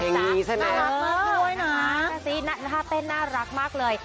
เพลงนี้ใช่ไหมน่ารักมากด้วยนะใช่สิหน้าเต้นน่ารักมากเลย